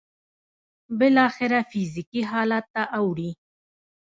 بالاخره فزيکي حالت ته اوړي.